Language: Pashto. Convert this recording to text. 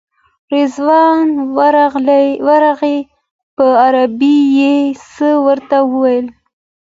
رضوان ورغی په عربي یې څه ورته وویل.